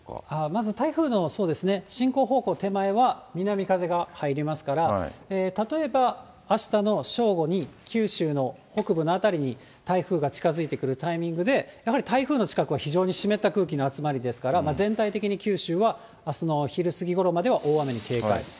まず台風の、そうですね、進行方向手前は、南風が入りますから、例えばあしたの正午に九州の北部の辺りに台風が近づいてくるタイミングで、やはり台風の近くは非常に湿った空気の集まりですから、全体的に九州はあすの昼過ぎごろまでは大雨に警戒。